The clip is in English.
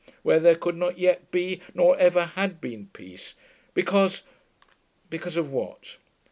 Where there could not yet be, nor ever had been, peace, because ... because of what?